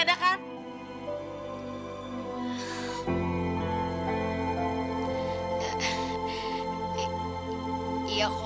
pak beli pak